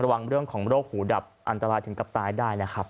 ระวังเรื่องของโรคหูดับอันตรายถึงกับตายได้นะครับ